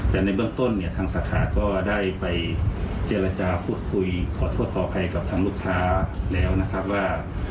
แต่ในเบื้องต้นเนี่ยทางสาขาก็ได้ไปเจรจาพูดคุยขอโทษขออภัยกับทางลูกค้าแล้วนะครับว่า